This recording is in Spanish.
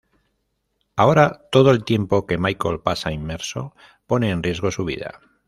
Ahora, todo el tiempo que Michael pasa inmerso, pone en riesgo su vida.